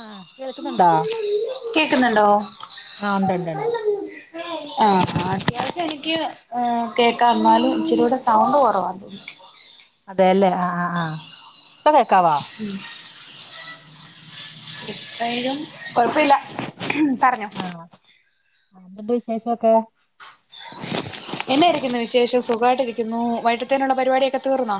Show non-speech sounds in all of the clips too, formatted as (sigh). ആഹ് കേൾക്കുന്നുണ്ടോ കേക്ക്ന്ന് ണ്ടൊ? ഉ ആഹ് അത്യാവശ്യം എനിക്ക് ഏഹ് കേക്കാ. ന്നാലും ഇച്ചിരി യൂടെ സൗണ്ട് കൊറവാ. അതെ അല്ലെ. ആഹ് ആഹ് ആഹ്. ഇപ്പൊ കേക്കാവൊ? എപ്പേഴും. കൊഴപ്പില്ല. ഉം പറഞ്ഞൊ ആഹ് എന്ത് വിശേഷൊക്കെ. എന്നെയിരിക്കുന്നു വിശേഷം സുഖായിട്ട് ഇരിക്കുന്നു. വൈകിട്ടത്തേനുള്ള പരിപാടിയൊക്കെ തീർന്നൊ?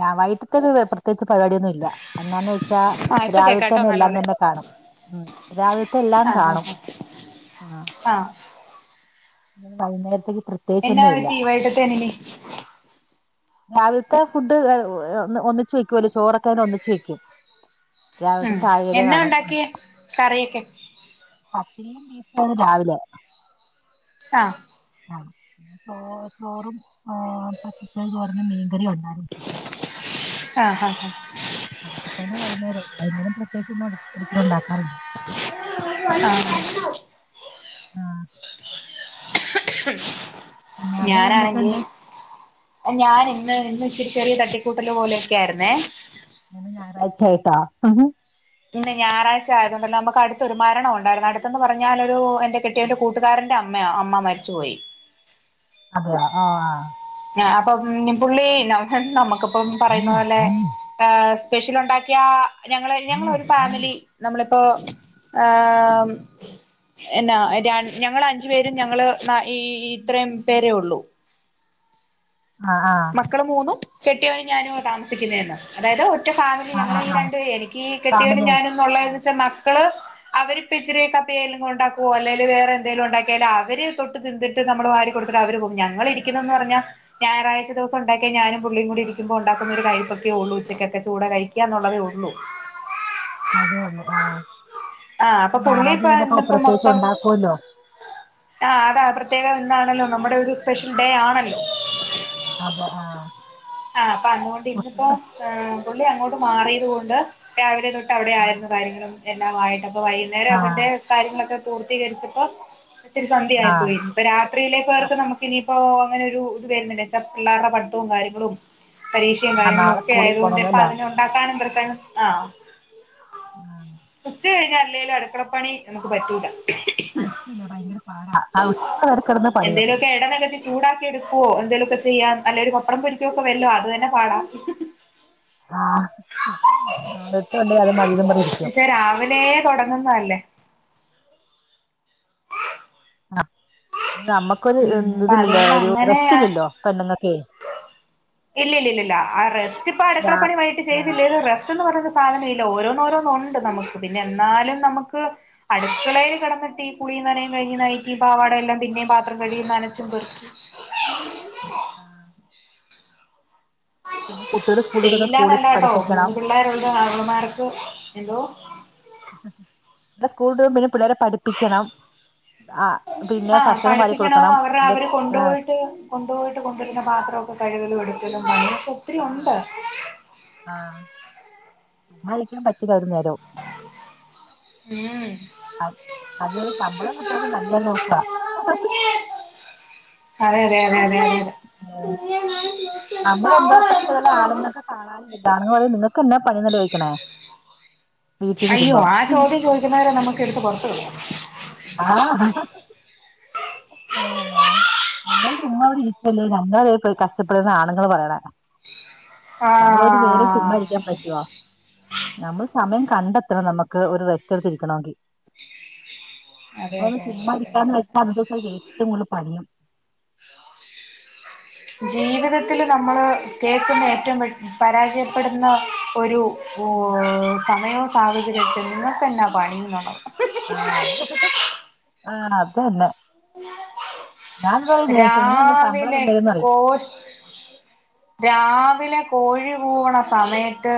ഞാ വൈട്ട്ത്തെത് ഒര് പ്രത്യേകിച്ച് പരിപാടിയന്നുല്ല. അന്നാന്ന് വെ ച്ച ആഹ് ഇപ്പൊ കേക്കാട്ടോ രാവിൽത്തന്നെ എല്ലാം നല്ലോലെ തന്നെ കാണും. ഉം. രാവിൽത്തെ എല്ലാം ആഹ് കാണും. ആഹ് ആഹ് ആഹ് വൈന്നേരത്തെക്ക് പ്ര എന്നാ വറ്റി വൈട്ടത്തേനിനി രാവിൽത്തെ ഫുഡ് ഏഹ് ന്ന് ഒന്നിച്ചു വയ്ക്കുല്ലൊ. ചോറൊക്കേന് ഒന്നിച്ച് വയ്ക്കും. രാവിൽത്തെ ഉം ചായകരി എന്നാ കാണും. അതെ ഉണ്ടാക്കിയേ കറിയൊക്കെ പത്തിരിയും ബീഫു ആണ് രാവിലെ. ആഹ്. ആഹ്, ഓഹ് ചോറും ഏഹ് പച്ചക്കറി തോരനും മീൻകറിയു ഒണ്ടായിരുന്നു ആഹാ ഹാഹ് അതൊക്കെ തന്നെ വൈന്നേരം വൈകുന്നേരം പ്രത്യേകിച്ചൊന്നും ഒ ഒരിക്കലും ഉണ്ടാക്കാറില്ല. ആഹ്. ആഹ്. അവിടെ ഞാനാണെങ്കി എന്തൊക്കെയുണ്ട് ഏഹ് ഞാൻ ഇന്ന് ഇന്ന് ഇച്ചിരി ചെറിയ തട്ടിക്കൂട്ടല് പോലെയൊക്കെ ആയിര്ന്നേ ഇന്ന് ഞായറാഴ്ച്യായിട്ടാ ഇന്ന് ഞായറാഴ്ച ആയത് കൊണ്ടല്ല, നമുക്ക് അടുത്ത് ഒരു മരണം ഉണ്ടായിരുന്നു. അടുത്തെന്ന് പറഞ്ഞാലൊരു എന്റെ കെട്ട് ട്ട്യോൻ്റെ കൂട്ടുകാരന്റെ അമ്മയാ, അമ്മ മരിച്ചുപോയി. അതെയോ ആഹ് ഞാ അപ്പം ന് പുള്ളി നം നമ്മക്ക്പ്പം പറയുന്ന പോലെ ഏഹ്, സ്പെഷ്യലുണ്ടാക്കിയാ ഞങ്ങള് ഞങ്ങളൊരു ഫാമിലി നമ്മളിപ്പോ ആം എന്നാ രൺ ഞങ്ങളഞ്ചു പേരും ഞങ്ങള് നാ ഈ ഇത്രയും പേരേ ഉള്ളൂ ആഹ്, ആഹ് മക്കളും മൂന്നും കെട്ടിയോനും ഞാനും താമസിയ്ക്കുന്നെന്ന്. അതായത് റ്റ ഫാമിലി ആ ഞങ്ങള് ആ ഈ ആ രണ്ടുവെ എനിയ്ക്ക് ഫാമിലി കെട്ടിയവനും ആയിട്ട് ഞാനൊന്നുള്ളെ ആ എന്നുവെച്ചാ മക്കള് അവര്പ്പ ഇച്ചിരിയൊക്കപ്പെഴേലും ഉണ്ടാക്കുവോ അല്ലെല് വേറെ എന്തേലും ഉണ്ടാക്കിയാല് അവര് തൊട്ട് തിന്തിട് ത്ത് നമ്മള് വാരി കൊടുത്തിട്ട് അവര് പോകും. ഞങ്ങളിരിക്കുന്നന്ന് പറഞ്ഞാ ഞായറാഴ്ച ദിവസം ഉണ്ടാക്ക്യ ഞാനും പുള്ളിയും കൂടി ഇരിക്കുമ്പോ ഉണ്ടാക്കുന്നൊരു കയ്പപ്പക്കെം ഉള്ളൂച്ചക്കെക്കെ ചൂട കഴിക്കാന്നുള്ളതേ ഉള്ളൂ. അതെയുള്ളു, ആഹ് ആഹ്, അപ്പൊ പുള്ളിപ്പ ഇന്നിപ്പം പ്രത്യേകിച്ച് മൊത്തം ഉണ്ടാക്കുമല്ലോ ആഹ്‌ അതാ പ്രത്യേകം ഇന്നാണല്ലോ നമ്മടെ ഒരു സ്പെഷ്യൽ ഡേ ആണല്ലോ അതെ, ആഹ്‌ ആഹ്, അപ്പ അങ്ങോട്ടിന്നിപ്പം ഏഹ് പുള്ളി അങ്ങോട്ട് മാറിയത് കൊണ്ട് രാവിലെ തൊട്ട് അവിടെ ആ ആയിരുന്നു. കാര്യങ്ങളും എല്ലാം ആയിട്ടപ്പം വൈകുന്നേരം ആ അതിന്റെ കാര്യങ്ങളൊക്കെ പൂർത്തീകരിച്ചപ്പോ ഇച്ചിരി ആ സന്ധ്യആയിപോയിരുന്നു. രാത്രിയിലെ ആ പോലത്തെ നമുക്കിനിയിപ്പോ അങ്ങനെൊരു ഇത് വരുന്നുണ്ട്ച്ച പിള്ളാരുടെ പഠിത്തവും കാര്യങ്ങളും പരീക്ഷേ ആ കാര്യങ്ങളും നാളെ ഒക്കെ സ്കൂളിൽ ആയതുകൊണ്ട് പോകണമല്ലോ ഇപ്പ അല്ലേ അതിനെ ഉണ്ടാക്കാനും പര്ത്താനും ആഹ് ആഹ് ഉച്ച കഴിഞ്ഞാൽ അല്ലേലും അടുക്കുളപ്പണി നമുക്ക് പറ്റൂല (unintelligible) ഭയങ്കരാപാടാ ആഹ് ഉച്ചവരെ കെടന്ന് പണിയും എടനെകത്തി ചൂടാക്കി എടുക്കോ എന്തേലൊക്കെ ചെയ്യാൻ അല്ലേലൊരു പപ്പടം പൊരിക്ക ക്കെക്കൊ വെര്ല്ലോ അത് തന്നെ പാടാ ആഹ്, നാളത്തെ കണ്ട് അത് നല്ലമ്പറ് രിക്കും വെച്ചാ രാവിലെ തൊടങ്ങുന്നല്ലേ ആഹ്, നമ്മക്കൊരു ഉം ഇൻ അപ്പൊ ഇതില്ലല്ലോ ഒരു റെസ്റ്റ് ഇല്ലല്ലോ പെണ്ണുങ്ങ ഇല്ലഇല്ലില്ലില്ല ആഹ് റെസ്റ്റ് പ്പൊ രാ അടക്കളപ്പണി വൈകീട്ട് ആഹ് ചെയ്തില്ലേലും റെസ് സ്റ്റ്ന്ന് പറയ്ന്ന സാനമേയില്ല ഓരോന്നോരോന്നൊണ്ട് നമുക്ക് പിന്നെ ഇല്ല എന്നാലും നമുക്ക് പിന്നെ അടുക്കളയിൽ കെടന്നിട്ടീ കുളിയും നനയും കഴിഞ്ഞു നൈറ്റി പാവാടയെല്ലാം പിന്നേം പാത്രം കഴുകി നനച്ചും പെറുക്കി ആഹ്. പിന്നെ കുട്ടികള് സ്കൂള് വിട്ട് വന്നാ സ്കൂളിൽ ചെയ്യില്ലന്നല്ലാട്ടോ പഠിപ്പിക്കണം മൂന്ന് പിള്ളേരുള്ളാങ്ങളമാർക്ക് എന്തോ സ്കൂൾ ടും പിന്നെ പിള്ളേരെ പഠി പ്പിക്കണം ആഹ് പിന്നെ ആഹ് ഭക്ഷണം വാരി പഠിപ്പിക്കണം കൊടുക്കണം അവരുടെ ഇ അവര് കൊണ്ടുപോയിട്ട് കൊണ്ടുപോയിട്ട് കൊണ്ടരുന്ന പാത്രമൊക്കെ കഴുകലും എടുക്കലുംപണിഒക്കെ ആഹ് ഒത്തിരിയൊണ്ട് ആഹ് ചുമ്മയിരിയ്ക്കാൻ പറ്റില്ലാരൂ നേരോ അ അതിനൊരു ശമ്പളം കിട്ടെങ്കി നല്ലോ നോക്ക അതെ അതെ അതെ (unintelligible) (unintelligible) നമ്മളെന്താക്ണ് ചെയ്ത ആണ്ങ്ങൾക്ക് കാണാൻല്ലല്ലോ ആണ് ങ്ങപറയും നിങ്ങ (unintelligible) അയ്യോ വരുമ്പം ആ ചോദ്യം ചോദിക്കുന്നവരെ നമുക്ക് എടുത്ത് പൊറത്തുടണം ആഹ്‌ അഹ് ആഹ് (unintelligible) നിങ്ങള് ചുമ്മവ്ടെയിക്കല്ലേ ഞങ്ങള കഷ്ടപ്പെടുന്ന ആണുങ്ങൾ പറയണ നമ്മളൊരു നേരം ആഹ് ചുമ്മയിരിയ്ക്കാൻ പറ്റോ നമ്മൾ സമയം കണ്ടെത്തണം നമുക്ക് ഒരു റെസ്റ്റ് എടുത്തിരിക്കണമെങ്കി അതെ നമ്മള അതെ അതെ ചുമ്മ അതെ അതെ അതെ ഇരിക്കാവെച്ച ന്തസ ഏറ്റവും കൂടുതൽ പണിയും ജീവിതത്തില്നമ്മള് കേക്കുന്ന ഏറ്റവും പരാജയപ്പെടുന്ന ഒരു ഓഹ് സമയവും സാഹചര്യക്കെ നിങ്ങൊക്കെന്നാ പണിന്നാണ് ആഹ്‌ അത് ആഹ് അതന്നെ ഇന്നൊന്ന് ശമ്പളം രാവിലെ തന്നേരേന്ന് പറയും കോ രാവിലെ കോഴി കൂവണ സമയത്ത്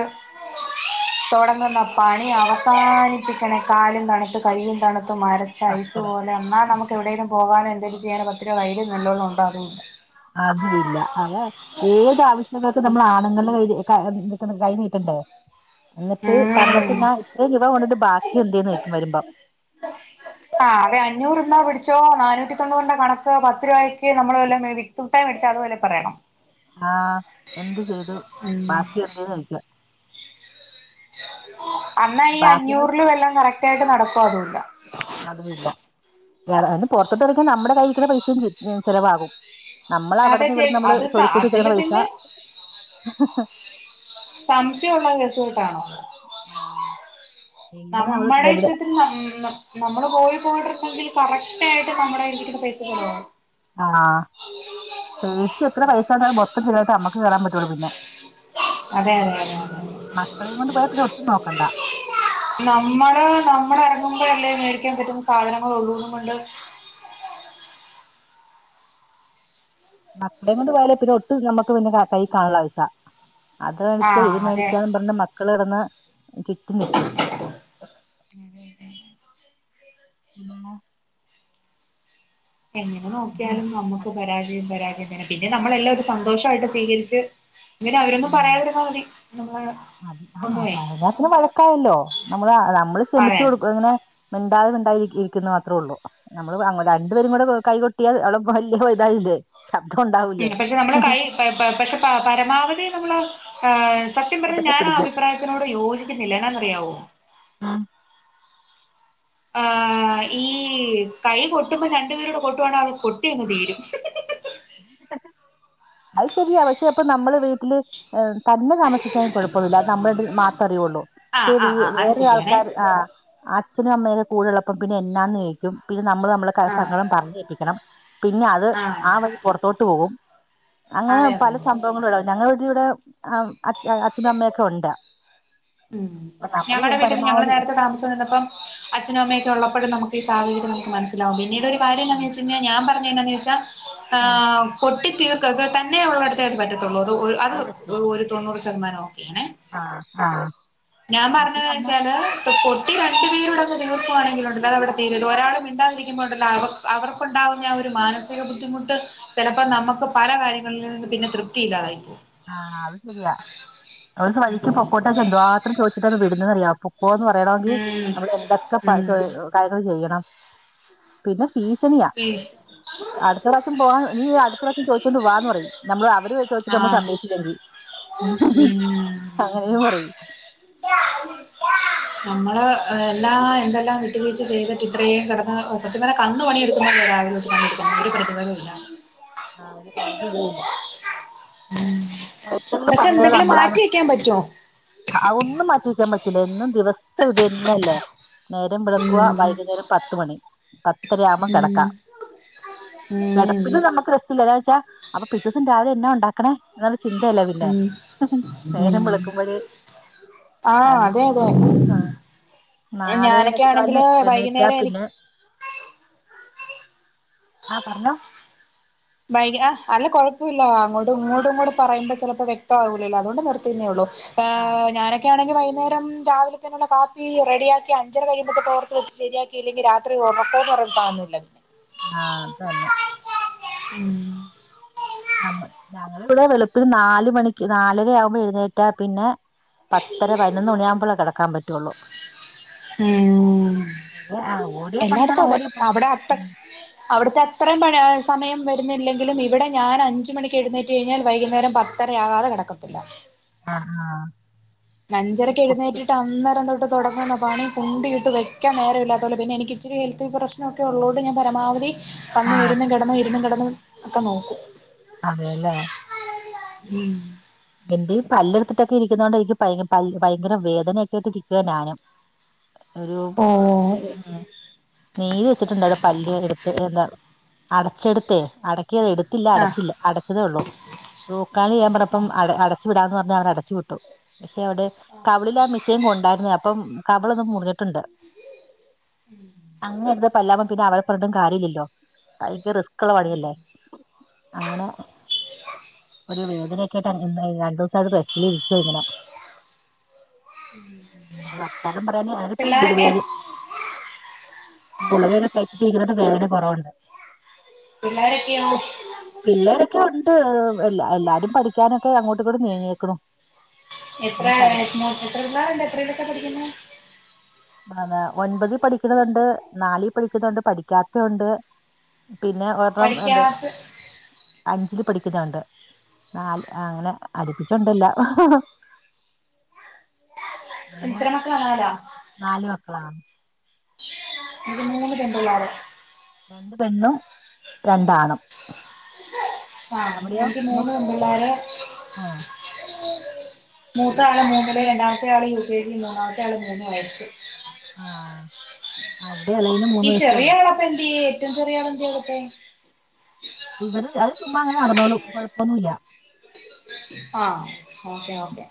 തുടങ്ങന്ന പണി അവസാനിപ്പിക്കണെ കാലും തണുത്ത് കൈയും തണുത്ത് മര ക്ഷയ്സ് പത്തര പോലെ എന്നാനമുക്ക് എവിടെേങ്കും പോവാനോ എന്തേലും ചെയ്യാനൊ പത്തരൂപ കൈ നല്ലോണ ണ്ടോ അതുല്ല അതുല്ല അതെന്നേ ഏത് ആവശ്യങ്ങക്കും നമ്മൾ ആണുങ്ങൾടെ ക (unintelligible) കൈനീട്ടണ്ടെ എന്നിട്ട് തന്നിട്ട് ഉം ന്നാ ഇത്രയും രൂപ കൊണ്ടിട്ട് ബാക്കി എന്തേചോയിയ്ക്കും വരുമ്പോ ആഹ് അതെ അഞ്ഞൂറ് ന്നോ പിടിച്ചോ നാനൂറ്റി തൊണ്ണൂറിന്റെ കണക്ക് പത്ത് രൂപക്ക് നമ്മള് വല്ലോം (unintelligible) മടിച്ചാ അതുപോലെ പറയണം ആഹ് എന്ത് ചെയ്തു ഉം ബാക്കി എന്തേലും കഴിക്കാ അന്നാ ഈ ബാക്കി അഞ്ഞൂറില് വല്ലോം കറക്റ്റ് ആയിട്ട് നടക്കോ അതും ഇല്ല അതുമല്ല അതിന് പുറത്തോട്ട് ഇറ ങ്ങുമ്പോൾ നമ്മുടെ കൈയിലുള്ള പൈസയും ചെലവാകും നമ്മൾ അതെ അവിടുന്ന് ചേ ഇവിടുന്ന് നമ്മള് അത് സെരുക്കൂട്ടി വച്ചിരിക്കണ അതില് പൈസ പിന്നെ സംശയമുള്ള രസമായിട്ടാണോ ആഹ് എങ്ങനെ നമ്മള് നമ്മുടെ എവിടെ ഇഷ്ടത്തി നമ്മള് പോ പോയിട്ടെങ്കിൽ കറക്റ്റ് ആയിട്ട് നമ്മുടെ ഇരിക്കുന്ന പൈസ ചിലവാകും ആഹ് പേഴ്സിൽ എത്ര പൈസ ഉണ്ടായാലും മൊത്തം ചിലവായിട്ടെ നമ്മക്ക് കേറാൻ പറ്റുള്ളൂ പിന്നെ അതെ അതെ അതെ അതെ മക്കളെയും കൊണ്ട് പോയ പിന്നെ ഒട്ടും നോക്കണ്ടാ നമ്മള് നമ്മൾ ഇറങ്ങുമ്പോഴ് അല്ലേ മേടിക്കാൻ പറ്റും സാധനങ്ങളുളളു എന്നും പറഞ്ഞ് കൊണ്ട് മക്കളെ കൊണ്ട് പോയാലേ പിന്നെ ഒട്ടും നമ്മുക്ക് പിന്നെ കൈ കാണുല്ല പൈസ അത് മേടിച്ചാ ഇത് ആഹ് അതെ മേടിച്ചാ എന്നും പറഞ്ഞു മക്കൾ കിടന്ന് ചുറ്റും നിൽക്കും അതെ അതെ പിന്നെ എങ്ങനെ നോക്കിയാലും നമുക്ക് പരാജയം പരാജയം തന്നെ പിന്നെ നമ്മളെല്ലാം ഒരു സന്തോഷമായിട്ട് സ്വീകരിച്ച് ഇങ്ങനെ അവരൊന്നും ഉം പറയാതിരുന്നാൽ മതി നമ്മള ആഹ് പറഞ്ഞ പിന്നെ വഴക്കായല്ലോ നമ്മള് അഹ് നമ്മള് അതെ ക്ഷമിച്ചു കൊടുക്കും ങ്ങനെ മിണ്ടാതെ മിണ്ടായി ഇയ് ഇയിക്കുന്ന മാത്രം ഒള്ളൂ നമ്മള് അങ്ങനെ രണ്ടുപേരും കൂടെ കോ കൈകൊട്ടിയാൽ അവിടെ വലിയ ഇതായില്ലേ ശബ്ദം ഉണ്ടാവൂലേ ഉം പക്ഷെ (unintelligible) പക്ഷെ പര പരമാവധി നമ്മള് ആഹ് സത്യം പറഞ്ഞാ ഒട്ടൊക്കെ ഞാനാ പിടിക്കും അഭിപ്രായ തിനോട് യോജിക്കുന്നില്ലാ എന്നന്ന് അറിയാവോ ഉം. ആഹ് ഈ കൈ കൊട്ടുമ്പോൾ രണ്ടുപേരോട് കൊട്ടുവാണങ്കിൽ അത് കൊട്ടി അങ്ങ് തീരും അത് ശരിയാ പക്ഷെ അപ്പൊ നമ്മള് വീട്ടില് ഏഹ് തന്ന താമസിക്കാൻ കുഴപ്പൊന്നുല്ല അത് നമ്മള് രണ്ടുരും മാത്ര അറിയുള്ളൂ പക്ഷെ ആഹ് വീ ആഹ് ആഹ് അത് ശരിയാണേ വേറൊരാൾക്കാർ ആഹ് അച്ഛനും അമ്മേയും കൂടെ ഉള്ളപ്പം പിന്നെ എന്നാന്ന് ചോയിക്കും പിൻ നമ്മള് നമ്മളെ ക ആഹ് സങ്കടം പറഞ്ഞേപ്പിക്കണം പിന്നെ അത് ആഹ് ആ വഴി പുറത്തോട്ട് പോകും അങ്ങനെ അതെ അതെ പല അതെ സംഭവങ്ങളും ണ്ടാവും ഞങ്ങടെ ഇവിടെ അം അച് അച്ഛനും അമ്മയൊക്കെ ഒണ്ട് ഉം ഞങ്ങടെ വീട്ടിൽ ഞങ്ങള് നേരത്തെ താമസിച്ച് കൊണ്ടിരുന്നപ്പ അച്ഛനും അമ്മയൊക്ക ഉള്ളപ്പോഴ് നമുക്ക് ഈ സാഹര്യ നമുക്ക് മനസിലാവു പിന്നീട് ഒരു കാര്യം എന്നന്ന് ഉം വെച്ച് ഞെ ഞാൻ പറഞ്ഞ എന്നന്ന് വെച്ചാ ആഹ് പൊട്ടി തീർക്ക തന്നെ ഉള്ളടുത്തേ അത് പറ്റ (unintelligible) അത് ഒരു തൊണ്ണൂറ് ശതമാനം ഓക്കെയാണേ ആഹ് ആഹ് ഞാൻ അത് പറഞ്ഞത് പറഞ്ഞ ച്ചാല് (unintelligible) (inaudible) തീർപ്പുവാണെങ്കിൽ ഉണ്ടല്ലേ അത് അവിടെ തീരും ഇത് ഒരാള് മിണ്ടാതിരിക്കുമ്പോണ്ടല്ലോ അവർക്ക് അവർക്കുണ്ടാവുന്ന ആ ഒരു മാനസി ബുദ്ധിമുട്ട് ചിലപ്പോ നമുക്ക് പല കാര്യങ്ങളിൽ നിന്നു പിന്നെ തൃപ്തിയില്ലാതായിപോകും ആഹ് അത് ശരിയാ ഒരു വഴിക്ക് പൊക്കോട്ട എന്ന് എന്ത് മാത്രം ചോദിച്ചിട്ടാ ന്ന വിടുന്നേന്ന് അറിയ പോന്ന് പറയണങ്കിൽ ഉം നമ്മൾ എന്തൊക്കെ ഉം (unintelligible) കാര്യങ്ങൾ ചെയ്യണം പിന്നെ ഭീഷണിയാ ഏയ് അടുത്ത പ്രാവശ്യം പോകൻ നീ അടുത്ത പ്രാവശ്യം ചോദിച്ചോണ്ട് വാന്ന് പറയും നമ്മള് അവര് ചോദിച്ചിട്ട് നമ്മൾ ആഹ് സമ്മയിച്ചിലെങ്കി ഉം അങ്ങനെയും പറയും നമ്മള് എല്ലാ എന്തെല്ലാം വിട്ടുവീഴച്ച ചെയ്തിട്ട് ഇത്രയും കിടന്ന് സത്യം പറഞ്ഞ കന്ന് പണി എടുക്കുമ്പോൾല്ല രാവിലെ തെട്ട് പണി എടുക്കണം ഒരു ആഹ് പ്രതിഭലം ഇല്ല ആഹ് ഒരു (unintelligible) ഇല്ല ഉം കൂടുതൽ പക്ഷെ എന്തെങ്കിലും മാറ്റി വെക്കാൻ പറ്റുവോ ആഹ് ഒന്നും മാറ്റി വെക്കാൻ പറ്റില്ല എന്നും ദിവസവും ഇത് തന്നെല്ലേ നേരം വെളുക്കുക ഉം വൈകുന്നേരം പത്ത് മണി പത്തര ആവുമ്പോ ഉം കിടക്കാം കിടപ്പിന് ഉം നമുക്ക് റസ്‌റ്റില്ലാ ഒരാഴ്ച്ച അപ്പൊ പിറ്റസം രാവിലെ എന്നാ ഉണ്ടാക്കണേ ന്നല്ല ചിന്തയല്ലേ പിന്നെ ഉം നേരം ഉം വെളുക്കുമ്പഴേ ആഹ് അതെ അഞ്ച് അതെ ആഹ് നാലേ ഞാനൊക്കെ മുക്കാലിന് ആണെങ്കില് എഴുന്നേറ്റാ വൈകുന്നേരം എനി പിന്നെ ആഹ് പറഞ്ഞോ ബൈയ അല്ല കൊഴപ്പോല്ല അങ്ങോട്ടും ഇങ്ങോട്ടുംകുടെ പറയുമ്പോ ചെലപ്പോ വ്യക്തവാവൂലല്ലോ അതോണ്ട് നിർത്തി ന്നേഉള്ളൂ പാ ആ ഞാനക്കെണെങ്കി വൈകുന്നേരം രാവിലെ (unintelligible) കാപ്പി റെഡിയാക്കി അഞ്ചര കഴിയുമ്പക്ക് ഓർത്ത് വെച്ച് ശരിയാക്കി ഇല്ലെങ്കിൽ രാത്രി ഒറക്കോന്ന് പറയുന്ന സാധനല്ല ആഹ് അതന്നെ ഉം നമ്മ ഞങ്ങള് ഇവടെ വെളുപ്പിന് നാല് മണിക്ക് നാലര ആകുമ്പോ എഴുന്നേറ്റ പിന്നെ പത്തര പതിനൊന്ന് മണിയാമ്പളാ കെടക്കാ പറ്റുള്ളൂ ഉം ഓരോ ആ ഓരോ എല്ലാടത്തും പണിന്നറഞ്ഞാ അതെ ഓരോ പണി അവിടെ അത്ത അവിടുത്തെ അത്രയും പണി സമയം വരുന്നില്ലെങ്കിലും ഇവിടെ ഞാൻ അഞ്ച് മണിക്ക് എഴുന്നേറ്റ് കഴിഞ്ഞാൽ വൈകുന്നേരം പ ത്തരയാകാതെ കടക്കത്തില്ല ആഹ് ഹാ അഞ്ചരക്ക് എഴുന്നേറ്റിട്ട് അന്നേരം തൊട്ട് തുടങ്ങുന്ന പണി കുന്തിയിട്ട് വയ്ക്കാൻ നേര ഇല്ലാതോലെ പിന്നെ എനിക്കിച്ചിരി ഹെൽത്ത് പ്രശ്നൊക്കെള്ളൂണ്ട് ഞാൻ പരമാവധി ആ വന്ന് ഇരുന്ന് കെടന്ന് ഇരുന്ന് കെടന്ന് ഒക്കെ നോക്കും അതെല്ലേ ഉം എന്റെ പല്ലട്ത്തിട്ടൊക്കെ ഇരിക്കുന്നോണ്ട് എനിക്ക്പയ് പല്ല് ഭയങ്കര വേദനയക്കൊയിട്ട് ഇരിക്ക ഞാനും ഒരു ഓ ഉം നീര് വെച്ചിട്ടുണ്ട് അവിടെ പല്ല് വേ എടുത്ത് എന്താ അടച്ചെടുത്തേ അടക്കിത് എടുത്തില്ല ആഹ് അടച്ചില്ല അടച്ചതേ ഉള്ളൂ റൂക്കാലിയ്യാപറപ്പം അട അടച്ചു വിടാന്ന് പറഞ്ഞാ അവരടച്ചു വിട്ടു പക്ഷെ അവിടെ കവ്ളിലാ മിഷെൻ കൊണ്ടായരുന്നേ അപ്പം കവളൊന്നും മുറിഞ്ഞിട്ടുണ്ട് അങ്ങേഅറ്റത്തെ പല്ലവുമ്പോ പിന്നെ അവരെപറട്ടും കാര്യല്ലല്ലോ ഭയങ്കരറിസ് ക്ക്ള്ള പണിയല്ലേ അങ്ങനെ ഒരു വേദനേ (unintelligible) വർത്താനം പറയാന് ആരപ്പോ പിള്ളോരൊക്കെ മുഴെപേര് ഗുള്കൊക്കെ സെറ്റി ഇരുപവതും വേദന കുറവുണ്ട് പിള്ളാരൊക്കെയോ പിള്ളേരൊക്കെ ഉണ്ട് എല്ലാ എല്ലാരും പഠിക്കാനൊക്കെ അങ്ങോട്ട്ങ്ങോട്ടും നീങ്ങേക്കണു എത്രോ മു എത്ര പിള്ളേരുണ്ട് എത്രേലൊക്കെ പഠിക്കുന്നേ പ്നത് ഒൻപത് പഠിക്കണതുണ്ട് നാലി പഠിക്കുന്നുണ്ട് പഠിക്കാത്ത ഉണ്ട് പിന്നെ ഒരെണ്ണം എന്ത് പഠിക്കാത്ത അഞ്ചില് പഠിക്കുന്നണ്ട് നാല്ആഹ് അങ്ങനെ അടുപ്പിച്ചുണ്ടല്ലേ എത്ര മക്കളാ നാലാ നാല് മക്കളാ മൂന്ന് പെമ്പിള്ളാര് പെണ്ണും രണ്ടാണും ആഹ് എനിക്ക് മൂന്ന് പെമ്പിള്ളാര് ആ മൂത്ത ആള് മൂന്നില് രണ്ടാമത്തെ ആള് യു കെ ജി മൂന്നാമത്തെ ആള് മൂന്ന് വയസ്സ് ആഹ് ആഹ് എവടെ എളെ ഈ ചെറിയ ആളപ്പൊ എന്തിയ്യ ഏറ്റവും ചെറിയ ആള് എന്തിയ്യപ്പേ ഇവിടെ അത് ചുമ്മാ അങ്ങനെ നടന്നോളും കുഴപ്പൊന്നുല്ല ആഹ് ഓക്കെ ഓക്കേ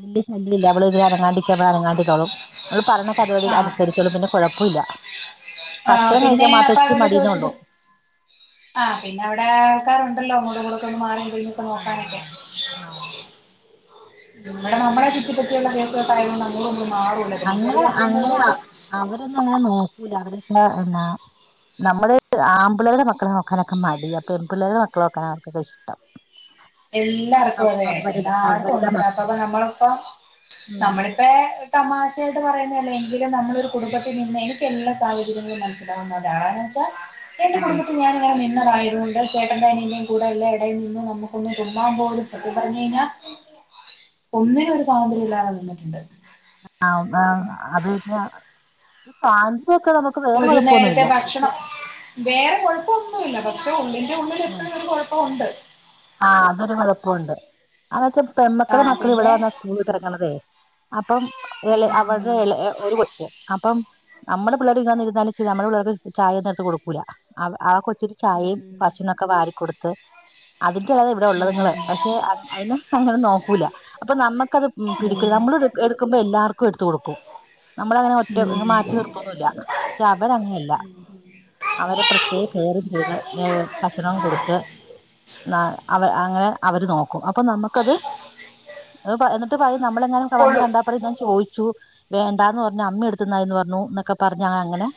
വല്ല്യ ശല്യ ഇല്ല അവള് ഇതി അനങ്ങാണ്ടിക്യാപ അനങ്ങാണ്ടിന്നോളും ങ്ങള് പറഞ്ഞ പത്പോലെ ആഹ് അനുസരി ച്ചോളൂം പിന്നെ കുഴപ്പൂല്ല ആഹ് പിന്നെ അപ്പ അതല്ല മടിയെന്നേ ഉള്ളൂ ചോദിച്ചത് ആഹ് പിന്നെ അവിടെ ആൾക്കാരുണ്ടല്ലോ മോളെ കൂടോക്കെ ഒന്ന് മാറാകഴിഞ്ഞു ആഹ് നോക്കാനൊക്കെ ആഹ് ആഹ് നമ്മടെ നമ്മളെ ചുറ്റിപ്പറ്റിയുള്ള കേസൊക്കെ ആയതോണ്ട് അങ്ങൊടും ഇങ്ങൊടുംമാറും അങ്ങനെ അങ്ങനാ അവരൊന്ന്ങ്ങനെ നോക്കൂല അവരൊക്കെന്നാ നമ്മഴ്‌ആമ്പിള്ളാരുടെ മക്കളെ നോക്കാനൊക്കെമടി പ്പെൺപിള്ളരുടെ മക്കളെ നോക്കാൻ അവർക്കൊക്കെ ഇഷ്ടം എല്ലാർക്കും അവ- അവരുടെ അവരുടെ അതേഎല്ലാട്തൂണ്ട് മക്കളെ അപ്പ നമ്മളിപ്പ ഉം നമ്മളിപ്പേ തമാശആയ്ട്ട് പറയുന്നതല്ലേ എങ്കിലും നമ്മളൊരു കുടുംബത്തിൽ നിന്ന് എനിക്ക് എല്ലാ സാഹചര്യങ്ങളും (unintelligible) ഇന്ന് വെച്ച എന്റെ ആഹ് കുടുബത്തിൽഞാനിങ്ങന നിന്നതായതോണ്ട് ചേട്ടൻന്റെ അനിയന്റെയും കൂടെ എല്ലാം ഇടയിൽ നിന്ന് നമുക്ക് ഒന്ന്തുമ്മാൻപോലും സത്യം പറഞ്ഞ് കഴിഞ്ഞ ഒന്നിനും ഒരു സ്വാതന്ത്ര്യം ഇല്ലാതെ നിന്നിട്ടുണ്ട് ആ ആ അതെയ് അത്യൊക്കെ നമു ഒരു നേരത്തെ ഭക്ഷണം വേറെ കൊഴപ്പമൊന്നുല്ല പക്ഷെ ഉള്ളിന്റെഉള്ളൊര് (unintelligible) കൊഴപ്പൊണ്ട് ആഹ് അതൊരു കൊഴപ്പൊണ്ട് അത് ആ പെമ്മക്കളെമക്കള് ഇവടെ പിന്നെ വന്നാ സ്കൂള് തോറക്ക്‌ണതേ അപ്പൊ ഇളെ അവടെ ഉം ഇളെയഒര്കൊച്ച് അപ്പം നമ്മടെ പിള്ളേര് ഇങ്ങന്ന് ഇരുന്നാല ചെയ്യ നമ്മടെപിള്ളേർക്ക് ചായൊന്നും എട്ത്ത് കൊടുക്കൂല അവ ആ കൊച്ച ചായെം ഉം ഭക്ഷണോക്കെ വാരി കൊട്ത്ത് അതൊക്കെയാ ഇവിടെഉള്ളത്ങ്ങള് പക്ഷെ അതിന് അങ്ങനെ നോക്കൂല. അപ്പൊ നമ്മക്കത് ഉം ഉം നമ്മള് എടുക്ക്മ്പോഎല്ലാവർക്കും എട്ത്കൊട്ക്കും നമ്മള്അങ്ങനെ ഉം ഒറ്റക്ക്‌മാറ്റി തീർത്തൊന്നുല്ല പക്ഷെ അവരങ്ങനെല്ല അവരെ പ്രത്യേകം കെയറ്ചെയ്ത് ഏഹ് ഭക്ഷണം കൊട്ത്ത് ന അവ അങ്ങനെ അവര് നോക്കും അപ്പൊ നമുക്കത് ന്ട്ട് എന്ന്ട്ട് പറയും നമ്മളങ്ങാനുംവന്ന് കൊള്ളും കണ്ട അപ്പോൾ ഞാൻ ചോയ്ച്ചു വേണ്ടാന്ന് പറഞ്ഞു അമ്മി എട്ത്തുന്നതായിന്ന് പറഞ്ഞുന്നൊക്കെ പറഞ്ഞ് അങ്ങനെ